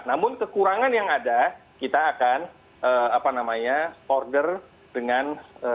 namun kekurangan yang ada kita akan order dengan pengambil impor dan distribusikan